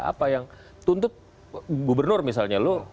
apa yang tuntut gubernur misalnya loh